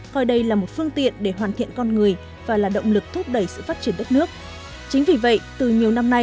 gọi đây là một hệ thống giáo dục khá phát triển